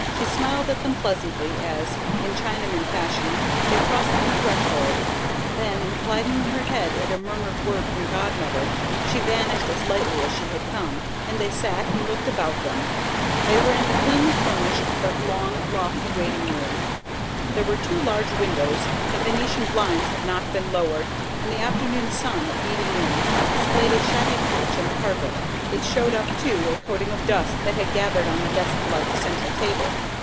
She smiled at them pleasantly, as, in Chinaman fashion, they crossed the threshold; then, inclining her head at a murmured word from Godmother, she vanished as lightly as she had come, and they sat and looked about them. They were in a plainly furnished but very lofty waiting room. There were two large windows. The venetian blinds had not been lowered, and the afternoon sun, beating in, displayed a shabby patch on the carpet. It showed up, too, a coating of dust that had gathered on the desk like, central table.